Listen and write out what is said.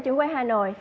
trưởng quân hà nội